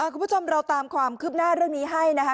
คุณผู้ชมเราตามความคืบหน้าเรื่องนี้ให้นะคะ